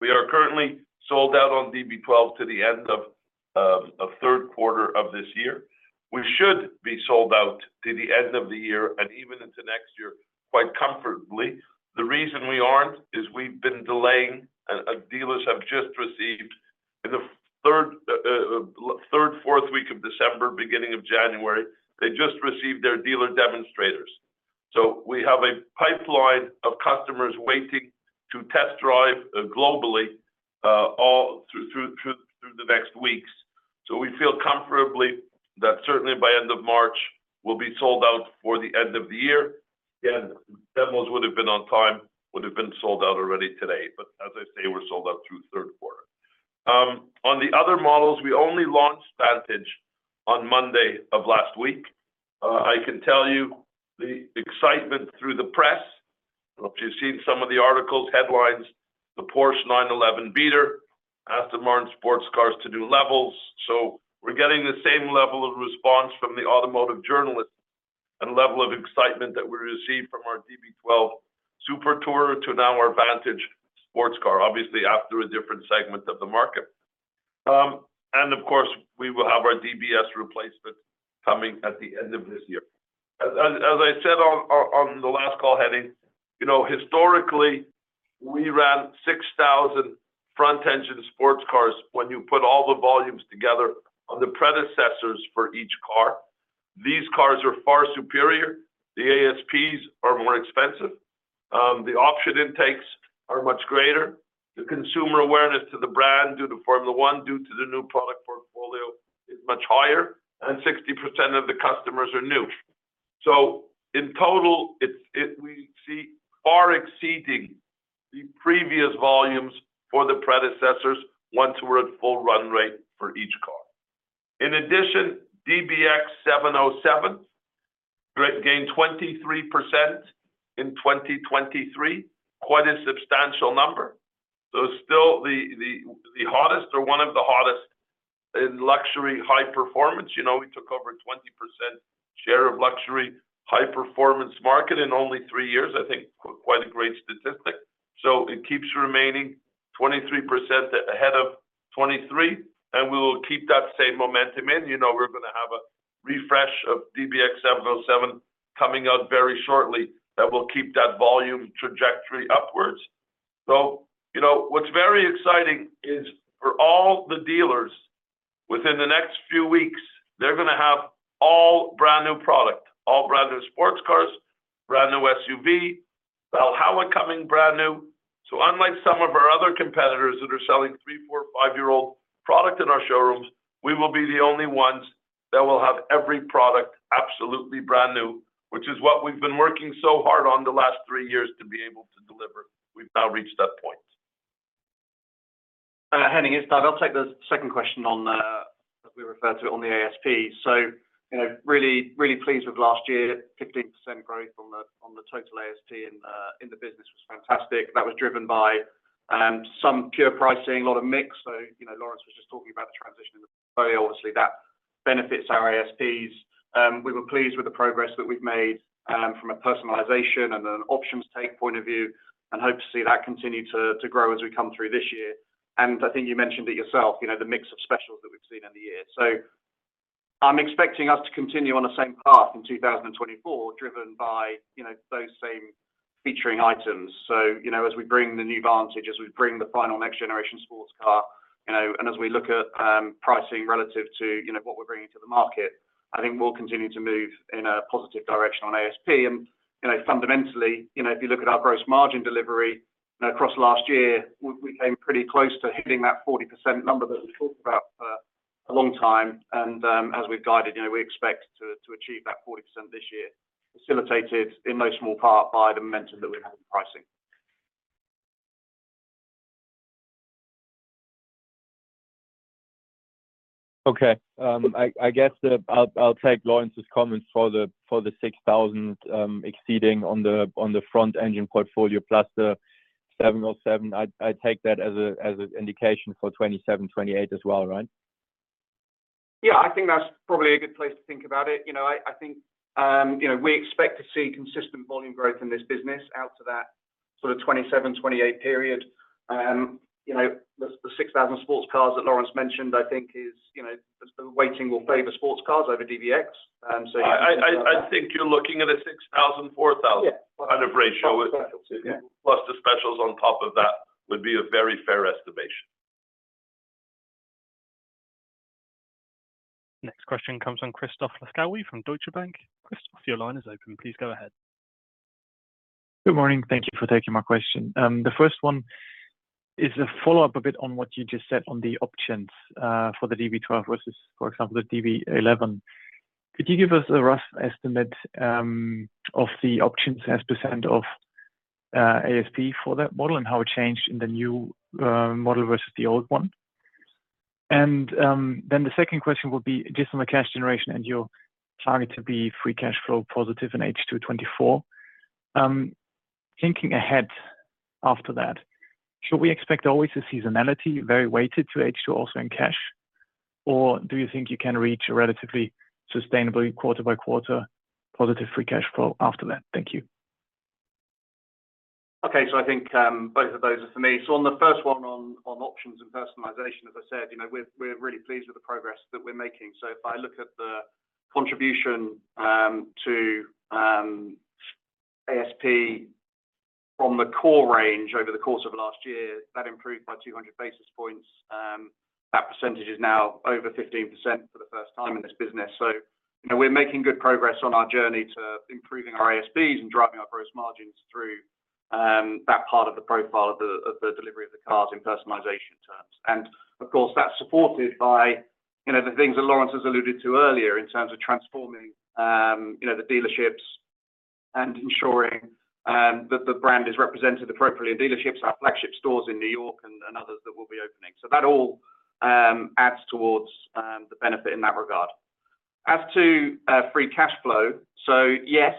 We are currently sold out on DB12 to the end of third quarter of this year. We should be sold out to the end of the year and even into next year, quite comfortably. The reason we aren't is we've been delaying, and dealers have just received in the third, fourth week of December, beginning of January, they just received their dealer demonstrators. So we have a pipeline of customers waiting to test drive globally, all through the next weeks. So we feel comfortably that certainly by end of March, we'll be sold out for the end of the year. Again, demos would have been on time, would have been sold out already today, but as I say, we're sold out through third quarter. On the other models, we only launched Vantage on Monday of last week. I can tell you the excitement through the press. I don't know if you've seen some of the articles, headlines, the Porsche 911 beater, Aston Martin sports cars to new levels. So we're getting the same level of response from the automotive journalists and level of excitement that we received from our DB12 Super Tourer to now our Vantage sports car, obviously after a different segment of the market. And of course, we will have our DBS replacement coming at the end of this year. As I said on the last call, Henning, you know, historically, we ran 6,000 front-engine sports cars when you put all the volumes together on the predecessors for each car. These cars are far superior. The ASPs are more expensive. The option intakes are much greater. The consumer awareness to the brand, due to Formula One, due to the new product portfolio, is much higher, and 60% of the customers are new. So in total, we see far exceeding the previous volumes for the predecessors once we're at full run rate for each car. In addition, DBX707 gained 23% in 2023, quite a substantial number. So still the hottest or one of the hottest in luxury high performance. You know, we took over 20% share of luxury high-performance market in only three years. I think quite a great statistic. So it keeps remaining 23% ahead of 2023, and we will keep that same momentum. And, you know, we're going to have a refresh of DBX707 coming out very shortly that will keep that volume trajectory upwards. So, you know, what's very exciting is for all the dealers, within the next few weeks, they're gonna have all brand-new product, all brand-new sports cars, brand-new SUV, the Valhalla coming brand new. Unlike some of our other competitors that are selling three, four, five-year-old product in our showrooms, we will be the only ones that will have every product absolutely brand new, which is what we've been working so hard on the last 3 years to be able to deliver. We've now reached that point. Henning, it's Doug. I'll take the second question on, as we refer to on the ASP. So, you know, really, really pleased with last year, 15% growth on the, on the total ASP in the, in the business was fantastic. That was driven by, some pure pricing, a lot of mix. So, you know, Lawrence was just talking about the transition in the play. Obviously, that benefits our ASPs. We were pleased with the progress that we've made, from a personalization and an options take point of view, and hope to see that continue to, to grow as we come through this year. And I think you mentioned it yourself, you know, the mix of specials that we've seen in the year. So I'm expecting us to continue on the same path in 2024, driven by, you know, those same featuring items. So, you know, as we bring the new Vantage, as we bring the final next generation sports car, you know, and as we look at pricing relative to, you know, what we're bringing to the market, I think we'll continue to move in a positive direction on ASP. And, you know, fundamentally, you know, if you look at our gross margin delivery, you know, across last year, we came pretty close to hitting that 40% number that we talked about for a long time. And, as we've guided, you know, we expect to achieve that 40% this year, facilitated in most part by the momentum that we have in pricing. Okay, I guess I'll take Lawrence's comments for the 6,000 exceeding on the front engine portfolio, plus the 707. I take that as an indication for 2027, 2028 as well, right? Yeah, I think that's probably a good place to think about it. You know, I think, you know, we expect to see consistent volume growth in this business out to that sort of 2027-2028 period. You know, the 6,000 sports cars that Lawrence mentioned, I think is, you know, the weighting will favor sports cars over DBX. So- I think you're looking at a 6,000, 4,000 kind of ratio. Plus the specials on top of that would be a very fair estimation. Next question comes from Christoph Laskawi from Deutsche Bank. Christoph, your line is open. Please go ahead. Good morning. Thank you for taking my question. The first one is a follow-up a bit on what you just said on the options for the DB12 versus, for example, the DB11. Could you give us a rough estimate of the options as percent of ASP for that model and how it changed in the new model versus the old one? And then the second question would be, just on the cash generation, and you're targeting to be free cash flow positive in H2 2024. Thinking ahead after that, should we expect always a seasonality very weighted to H2, also in cash? Or do you think you can reach a relatively sustainable quarter by quarter positive free cash flow after that? Thank you. Okay. So I think, both of those are for me. So on the first one on options and personalization, as I said, you know, we're really pleased with the progress that we're making. So if I look at the contribution to ASP from the core range over the course of last year, that improved by 200 basis points. That percentage is now over 15% for the first time in this business. So, you know, we're making good progress on our journey to improving our ASPs and driving our gross margins through that part of the profile of the delivery of the cars in personalization terms. And of course, that's supported by, you know, the things that Lawrence has alluded to earlier in terms of transforming, you know, the dealerships and ensuring that the brand is represented appropriately in dealerships, our flagship stores in New York and others that will be opening. So that all adds towards the benefit in that regard. As to free cash flow, so yes,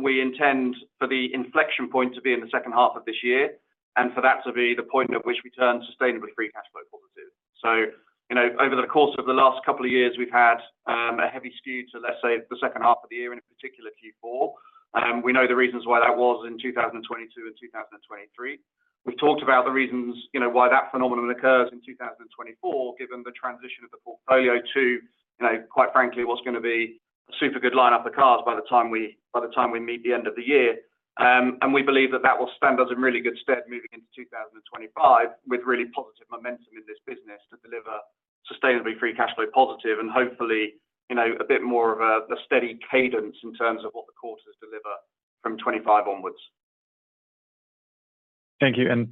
we intend for the inflection point to be in the second half of this year, and for that to be the point at which we turn sustainably free cash flow positive. So, you know, over the course of the last couple of years, we've had a heavy skew to, let's say, the second half of the year, and in particular, Q4. We know the reasons why that was in 2022 and 2023. We've talked about the reasons, you know, why that phenomenon occurs in 2024, given the transition of the portfolio to, you know, quite frankly, what's gonna be a super good line-up of cars by the time we, by the time we meet the end of the year. And we believe that will stand us in really good stead moving into 2025, with really positive momentum in this business to deliver sustainably free cash flow positive and hopefully, you know, a bit more of a, a steady cadence in terms of what the quarters deliver from 2025 onwards. Thank you. And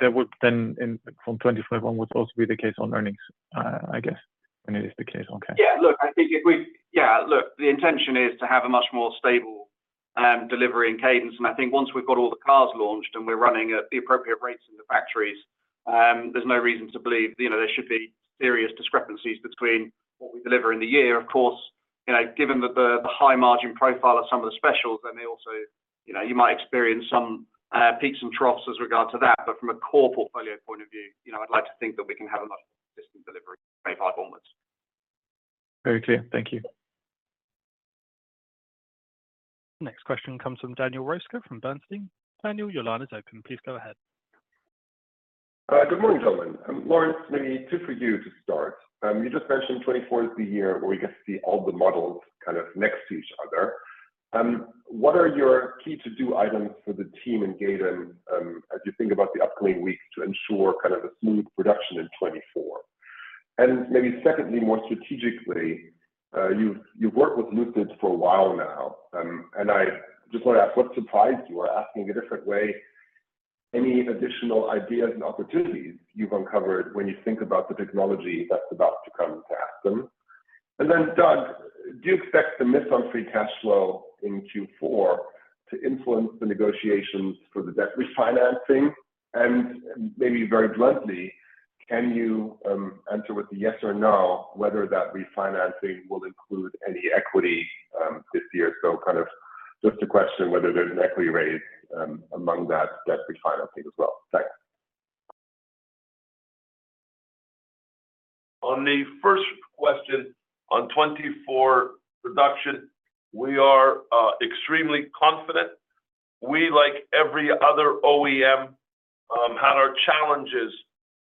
that would then from 2025 on would also be the case on earnings, I guess, when it is the case. Okay. Yeah, look, I think yeah, look, the intention is to have a much more stable delivery and cadence, and I think once we've got all the cars launched and we're running at the appropriate rates in the factories, there's no reason to believe, you know, there should be serious discrepancies between what we deliver in the year. Of course, you know, given the high margin profile of some of the specials, then they also, you know, you might experience some peaks and troughs as regard to that, but from a core portfolio point of view, you know, I'd like to think that we can have a much consistent delivery 2025 onwards. Very clear. Thank you. Next question comes from Daniel Roeska, from Bernstein. Daniel, your line is open. Please go ahead. Good morning, gentlemen. Lawrence, maybe two for you to start. You just mentioned 2024 is the year where we get to see all the models kind of next to each other. What are your key to-do items for the team in Gaydon, as you think about the upcoming week, to ensure kind of a smooth production in 2024? And maybe secondly, more strategically, you've, you've worked with Lucid for a while now, and I just want to ask, what surprised you? Or ask in a different way, any additional ideas and opportunities you've uncovered when you think about the technology that's about to come to Aston? And then, Doug, do you expect the miss on free cash flow in Q4 to influence the negotiations for the debt refinancing? Maybe very bluntly, can you answer with a yes or no, whether that refinancing will include any equity this year? Kind of just a question whether there's an equity raise among that debt refinancing as well. Thanks. On the first question, on 2024 production, we are extremely confident. We, like every other OEM, had our challenges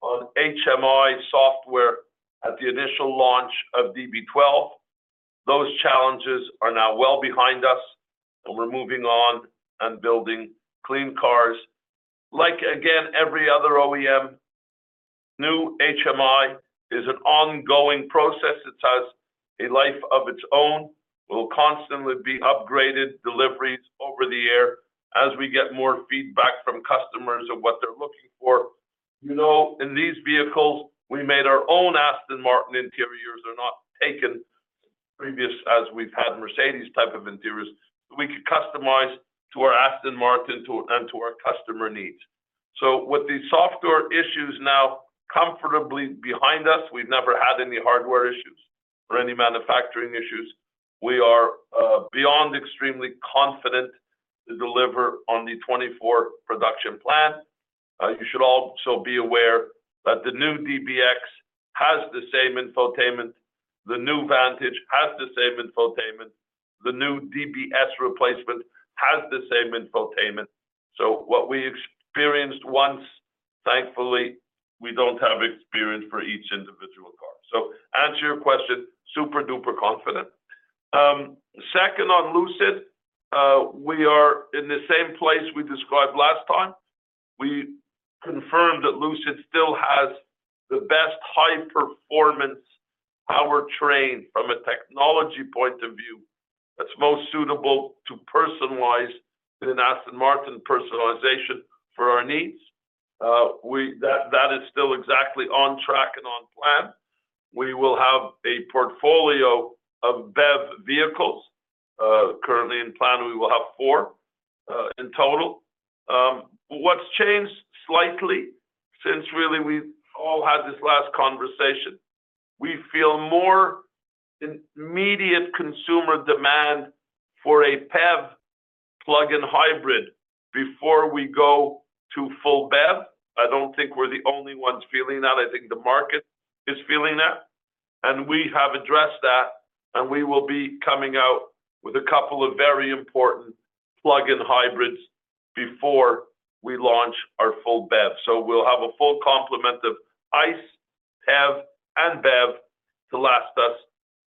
on HMI software at the initial launch of DB12. Those challenges are now well behind us, and we're moving on and building clean cars. Like, again, every other OEM, new HMI is an ongoing process. It has a life of its own, will constantly be upgraded, deliveries over the air, as we get more feedback from customers of what they're looking for. You know, in these vehicles, we made our own Aston Martin interiors. They're not taken, previous as we've had Mercedes type of interiors. We could customize to our Aston Martin to, and to our customer needs. So with the software issues now comfortably behind us, we've never had any hardware issues or any manufacturing issues. We are beyond extremely confident to deliver on the 2024 production plan. You should also be aware that the new DBX has the same infotainment, the new Vantage has the same infotainment, the new DBS replacement has the same infotainment. So what we experienced once, thankfully, we don't have experience for each individual car. So to answer your question, super-duper confident. Second, on Lucid, we are in the same place we described last time. We confirmed that Lucid still has the best high-performance powertrain from a technology point of view, that's most suitable to personalize in an Aston Martin personalization for our needs. That is still exactly on track and on plan. We will have a portfolio of BEV vehicles. Currently in plan, we will have four in total. What's changed slightly since really we all had this last conversation, we feel more immediate consumer demand for a PHEV plug-in hybrid before we go to full BEV. I don't think we're the only ones feeling that. I think the market is feeling that, and we have addressed that, and we will be coming out with a couple of very important plug-in hybrids before we launch our full BEV. So we'll have a full complement of ICE, PHEV, and BEV to last us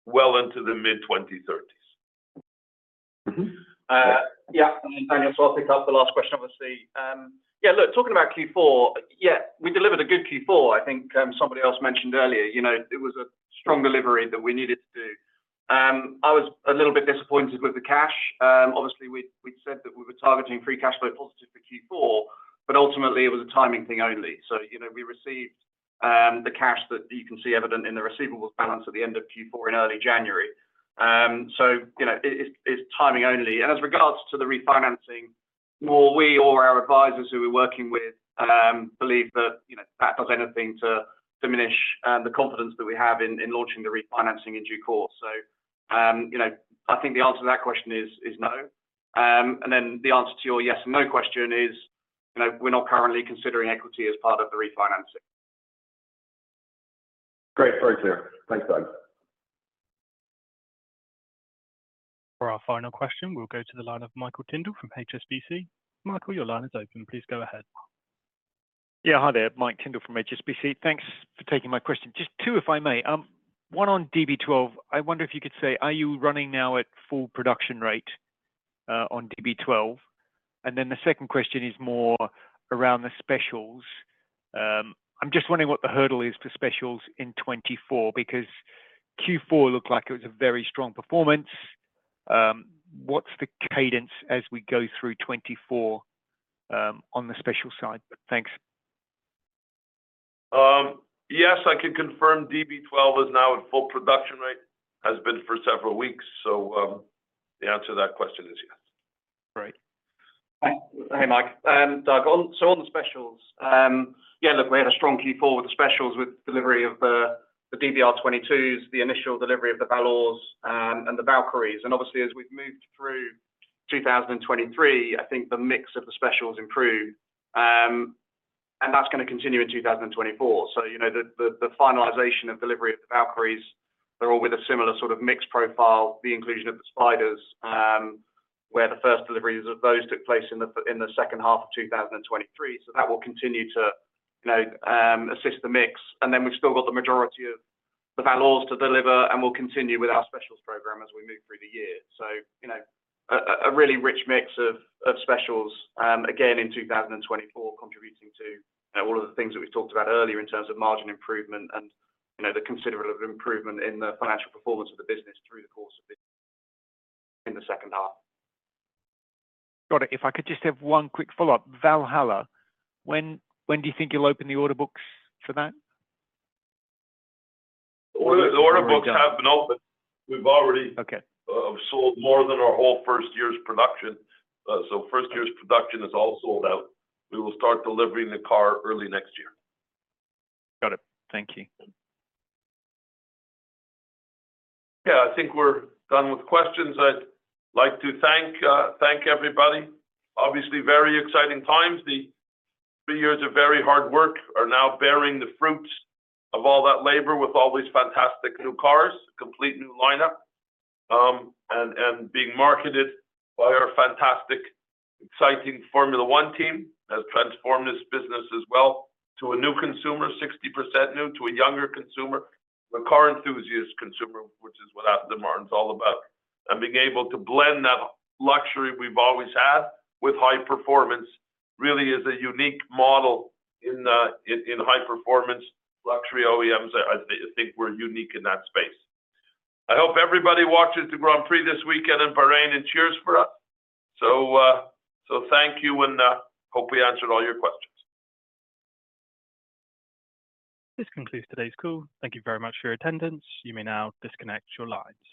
well into the mid-2030s. Mm-hmm. Yeah, and Daniel, so I'll pick up the last question, obviously. Yeah, look, talking about Q4, yeah, we delivered a good Q4. I think, somebody else mentioned earlier, you know, it was a strong delivery that we needed to do. I was a little bit disappointed with the cash. Obviously, we said that we were targeting free cash flow positive for Q4, but ultimately, it was a timing thing only. So, you know, we received the cash that you can see evident in the receivables balance at the end of Q4 in early January. So, you know, it, it's, it's timing only. And as regards to the refinancing, nor we or our advisors who we're working with, believe that, you know, that does anything to diminish the confidence that we have in launching the refinancing in due course. So, you know, I think the answer to that question is no. And then the answer to your yes or no question is, you know, we're not currently considering equity as part of the refinancing. Great. Very clear. Thanks, Doug. For our final question, we'll go to the line of Michael Tyndall from HSBC. Michael, your line is open. Please go ahead. Yeah, hi there. Mike Tyndall from HSBC. Thanks for taking my question. Just two, if I may. One on DB12, I wonder if you could say, are you running now at full production rate on DB12? And then the second question is more around the specials. I'm just wondering what the hurdle is for specials in 2024, because Q4 looked like it was a very strong performance. What's the cadence as we go through 2024 on the special side? Thanks. Yes, I can confirm DB12 is now at full production rate. Has been for several weeks, so, the answer to that question is yes. Great. Hey, Mike. Doug, on the specials, yeah, look, we had a strong Q4 with the specials, with delivery of the DBR22s, the initial delivery of the Valours, and the Valkyries. And obviously, as we've moved through 2023, I think the mix of the specials improved. And that's gonna continue in 2024. So, you know, the finalization and delivery of the Valkyries, they're all with a similar sort of mixed profile, the inclusion of the Spiders, where the first deliveries of those took place in the second half of 2023. So that will continue to, you know, assist the mix. And then we've still got the majority of the Valours to deliver, and we'll continue with our specials program as we move through the year. So, you know, a really rich mix of specials, again in 2024, contributing to, you know, all of the things that we talked about earlier in terms of margin improvement and, you know, the considerable improvement in the financial performance of the business through the course of this in the second half. Got it. If I could just have one quick follow-up. Valhalla, when do you think you'll open the order books for that? The order books have been open. We've already sold more than our whole first year's production. So first year's production is all sold out. We will start delivering the car early next year. Got it. Thank you. Yeah, I think we're done with questions. I'd like to thank, thank everybody. Obviously, very exciting times. The three years of very hard work are now bearing the fruits of all that labor with all these fantastic new cars, complete new lineup, and, and being marketed by our fantastic, exciting Formula One team, has transformed this business as well to a new consumer, 60% new, to a younger consumer, the car enthusiast consumer, which is what Aston Martin is all about. And being able to blend that luxury we've always had with high performance, really is a unique model in the high performance luxury OEMs. I think we're unique in that space. I hope everybody watches the Grand Prix this weekend in Bahrain and cheers for us. So, so thank you, and, hope we answered all your questions. This concludes today's call. Thank you very much for your attendance. You may now disconnect your lines.